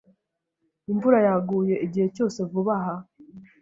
Imvura yaguye igihe cyose vuba aha.